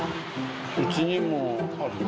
うちにもあるよ。